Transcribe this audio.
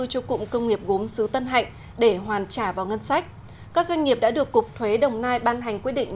cho cụm công nghiệp gốm xứ tân hạnh để hoàn trả vào ngân sách các doanh nghiệp đã được cục thuế đồng nai ban hành quyết định